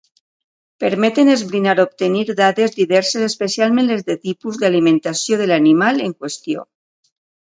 Permeten esbrinar obtenir dades diverses especialment les del tipus d'alimentació de l'animal en qüestió.